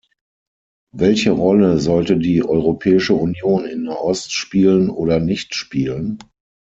Welche Rolle sollte die Europäische Union in Nahost spielen oder nicht spielen?